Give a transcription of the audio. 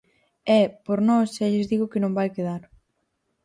E, por nós, xa lles digo que non vai quedar.